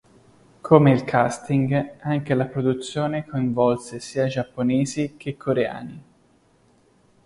Come il casting, anche la produzione coinvolse sia giapponesi che coreani.